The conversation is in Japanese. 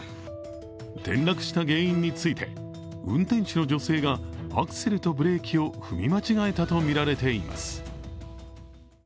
転落した原因について、運転手の女性がアクセルとブレーキを踏み間違えたとみられています。